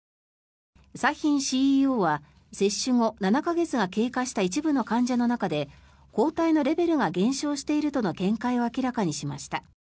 サヒンＣＥＯは接種後７か月が経過した一部の患者の中で抗体のレベルが減少しているとの見解を明らかにしました。